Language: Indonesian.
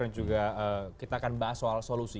dan juga kita akan bahas soal solusi